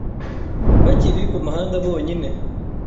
bakiri ku muhanda bonyine